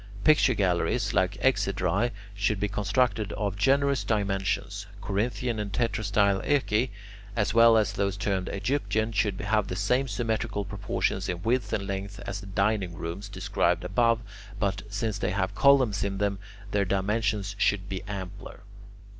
Picture galleries, like exedrae, should be constructed of generous dimensions. Corinthian and tetrastyle oeci, as well as those termed Egyptian, should have the same symmetrical proportions in width and length as the dining rooms described above, but, since they have columns in them, their dimensions should be ampler.